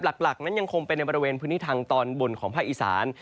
หลักนั้นยังคงเป็นในบริเวณพื้นที่ทางตอนบนของภาคอีสาน